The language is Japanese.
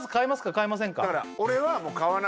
買いませんか？